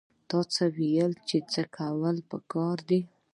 ته څه وايې چې څه کول پکار دي؟